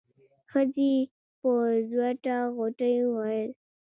ښځې په زوټه غوټۍ وويل.